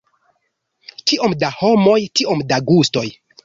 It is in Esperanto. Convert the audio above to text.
Kiom da homoj, tiom da gustoj.